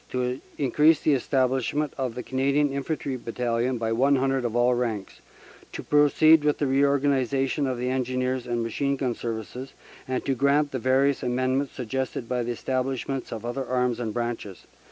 to increase the establishment of the Canadian Infantry Battalion by 100 of all ranks, to proceed with the reorganization of the Engineers and Machine Gun Services, and to grant the various amendments suggested by establishments of other Arms and Branches.